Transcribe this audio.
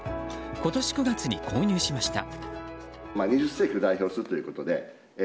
今年９月に購入しました。